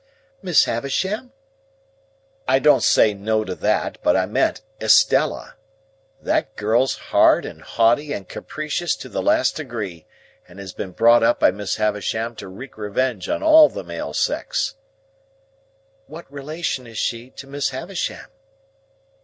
"Miss Havisham?" "I don't say no to that, but I meant Estella. That girl's hard and haughty and capricious to the last degree, and has been brought up by Miss Havisham to wreak revenge on all the male sex." "What relation is she to Miss Havisham?"